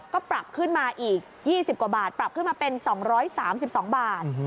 ก็ปรับขึ้นมาอีก๒๐กว่าบาทปรับขึ้นมาเป็น๒๓๒บาท